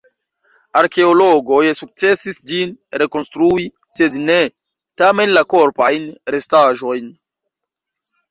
Arkeologoj sukcesis ĝin rekonstrui, sed ne, tamen, la korpajn restaĵojn.